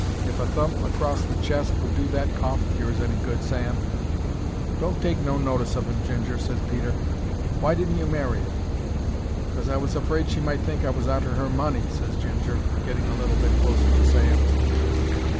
If a thump acrost the chest would do that cough of yours any good, Sam—" "Don't take no notice of 'im, Ginger," ses Peter. "Why didn't you marry 'er?" "'Cos I was afraid she might think I was arter 'er money," ses Ginger, getting a little bit closer to Sam.